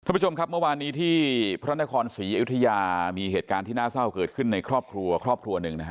ผู้ชมครับเมื่อวานนี้ที่พระนครศรีอยุธยามีเหตุการณ์ที่น่าเศร้าเกิดขึ้นในครอบครัวครอบครัวหนึ่งนะฮะ